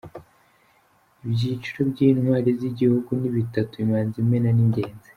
Ibyiciro by’intwari z’igihugu ni bitatu : Imanzi , Imena n’Ingenzi.